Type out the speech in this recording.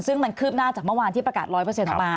ซึ่งมันคืบหน้าจากเมื่อวานที่ประกาศ๑๐๐ออกมา